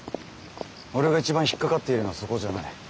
俺が一番引っ掛かっているのはそこじゃない。